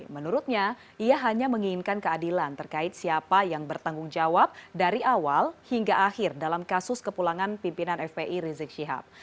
menurutnya ia hanya menginginkan keadilan terkait siapa yang bertanggung jawab dari awal hingga akhir dalam kasus kepulangan pimpinan fpi rizik syihab